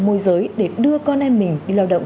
môi giới để đưa con em mình đi lao động